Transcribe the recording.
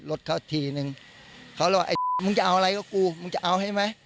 รถเขาทีนึงเขาเลยว่าไอ้มึงจะเอาอะไรก็กูมึงจะเอาใช่ไหม